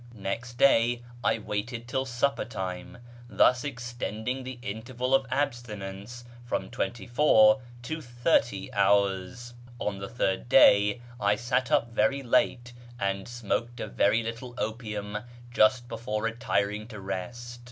Next day I waited till supper time, thus extending the interval of abstinence from twenty four to thirty hours. On the third day I sat up very late and smoked a very little opium just before retiring to rest.